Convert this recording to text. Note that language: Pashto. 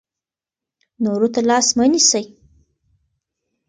نورو ته لاس مه نیسئ.